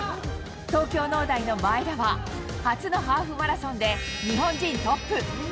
東京農大の前田は、初のハーフマラソンで日本人トップ。